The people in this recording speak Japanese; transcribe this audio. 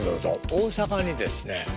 大阪にですね